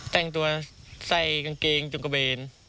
แต่งตัวใส่กางเกงจุงกระเบน